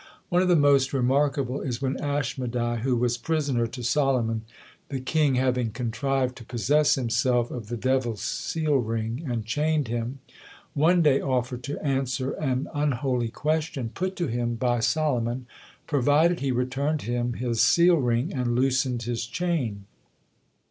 One of the most remarkable is when Aschmedai, who was prisoner to Solomon, the king having contrived to possess himself of the devil's seal ring, and chained him, one day offered to answer an unholy question put to him by Solomon, provided he returned him his seal ring and loosened his chain.